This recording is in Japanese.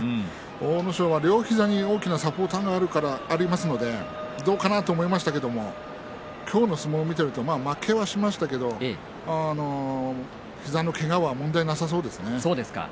阿武咲は両膝に大きなサポーターがありますのでどうかなと思いましたけれども今日の相撲を見ていると負けはしましたけれど膝のけがは問題なさそうですね。